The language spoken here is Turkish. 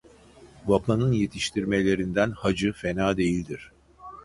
Babanın yetiştirmelerinden Hacı fena değildir.